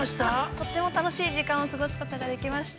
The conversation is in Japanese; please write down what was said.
とっても楽しい時間を過ごすことができました。